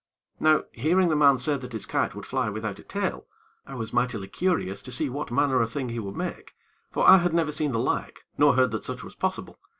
Now hearing the man say that his kite would fly without a tail, I was mightily curious to see what manner of thing he would make; for I had never seen the like, nor heard that such was possible.